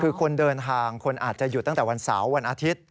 คือคนเดินทางคนอาจจะหยุดตั้งแต่วันเสาร์วันอาทิตย์